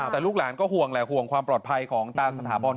แต่ลูกหลานก็ห่วงแหละห่วงความปลอดภัยของตาสถาบอล